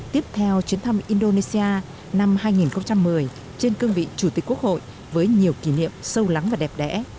tiếp theo chuyến thăm indonesia năm hai nghìn một mươi trên cương vị chủ tịch quốc hội với nhiều kỷ niệm sâu lắng và đẹp đẽ